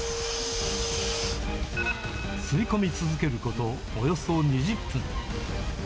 吸い込み続けることおよそ２０分。